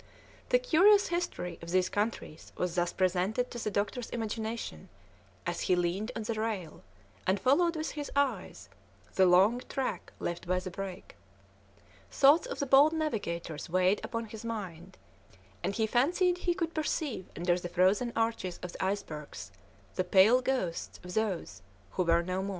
The curious history of these countries was thus presented to the doctor's imagination as he leaned on the rail, and followed with his eyes the long track left by the brig. Thoughts of the bold navigators weighed upon his mind, and he fancied he could perceive under the frozen arches of the icebergs the pale ghosts of those who were no more.